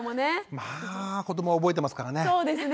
まあ子どもは覚えてますからね。